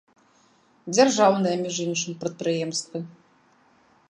Дзяржаўныя, між іншым, прадпрыемствы!